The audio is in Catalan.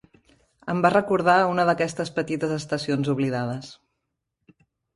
Em va recordar una d'aquestes petites estacions oblidades.